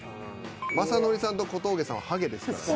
雅紀さんと小峠さんはハゲですからね。